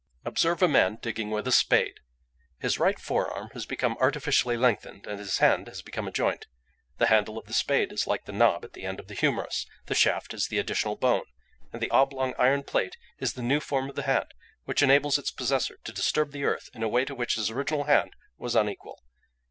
"Observe a man digging with a spade; his right fore arm has become artificially lengthened, and his hand has become a joint. The handle of the spade is like the knob at the end of the humerus; the shaft is the additional bone, and the oblong iron plate is the new form of the hand which enables its possessor to disturb the earth in a way to which his original hand was unequal.